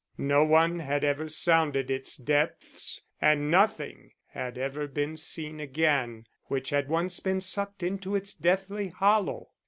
No one had ever sounded its depths and nothing had ever been seen again which had once been sucked into its deathly hollow.